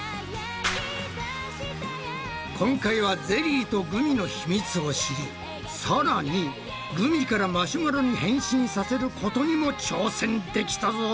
今回はゼリーとグミのヒミツを知りさらにグミからマシュマロに変身させることにも挑戦できたぞ！